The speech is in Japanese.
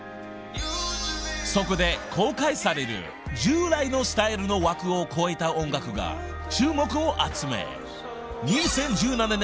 ［そこで公開される従来のスタイルの枠を超えた音楽が注目を集め２０１７年